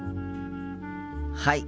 はい。